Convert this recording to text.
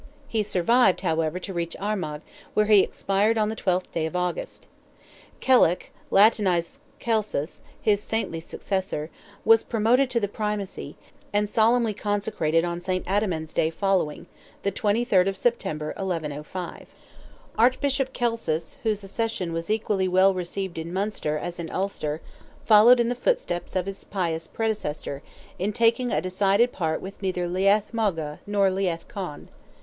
He survived, however, to reach Armagh, where he expired on the 12th day of August. Kellach, latinized Celsus, his saintly successor, was promoted to the Primacy, and solemnly consecrated on Saint Adamnan's day following—the 23rd of September, 1105. Archbishop Celsus, whose accession was equally well received in Munster as in Ulster, followed in the footsteps of his pious predecessor, in taking a decided part with neither Leath Mogha nor Leath Conn.